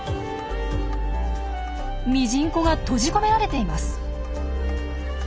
ミジンコが閉じ込められています。